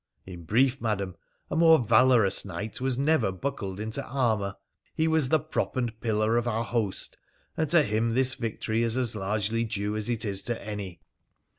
In brief, Madam, a more valorous knight was never buckled into armour : he was the prop and pillar of our host, and to him this victory is as largely due as it is to any.'